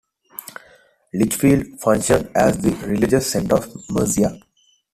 Lichfield functioned as the religious centre of Mercia.